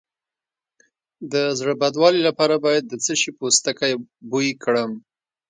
د زړه بدوالي لپاره باید د څه شي پوستکی بوی کړم؟